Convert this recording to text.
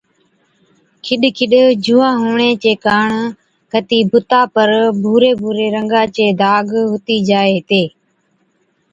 ڪِڏ ڪِڏ جُوئان هُوَڻي چي ڪاڻ ڪتِي بُتا پر ڀُوري ڀُوري رنگا چي داگ هُتِي جائي هِتي